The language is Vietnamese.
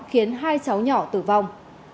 khiến hai cháu nhỏ tử vong